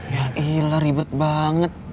ya iya lah ribet banget